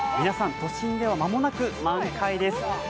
皆さん、都心では間もなく満開です。